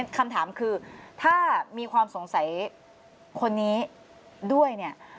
คำถามคือถ้ามีความสงสัยคนนี้ด้วยเนี่ย